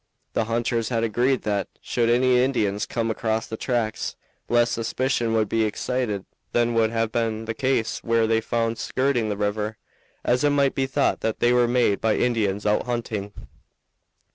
The hunters had agreed that, should any Indians come across the tracks, less suspicion would be excited than would have been the case were they found skirting the river, as it might be thought that they were made by Indians out hunting.